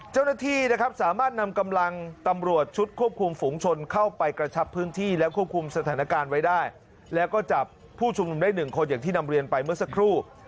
เจ้าหน้าที่นะครับสามารถนำกำลังตำรวจชุดควบคุมฝุงชนเข้าไปกระชับพื้นที่และควบคุมสถานการณ์ไว้ได้แล้วก็จับผู้ชุมนุมได้หนึ่งคนอย่างที่นำเรียนไปเมื่อสักครู่